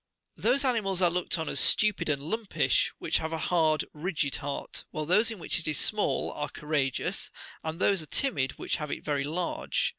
Those animals are looked upon as stupid and lumpish which have a hard, rigid heart, while those in which it is small are courageous, and those are timid which have it very large.